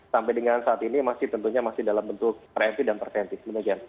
sampai dengan saat ini tentunya masih dalam bentuk preventif dan preventif